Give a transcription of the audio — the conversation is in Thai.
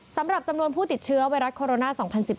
สำหรับจำนวนผู้ติดเชื้อไวรัสโคโรนา๒๐๑๘